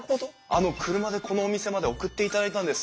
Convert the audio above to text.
あの車でこのお店まで送っていただいたんです。